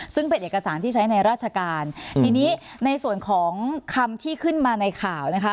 ซึ่งเป็นเอกสารที่ใช้ในราชการทีนี้ในส่วนของคำที่ขึ้นมาในข่าวนะคะ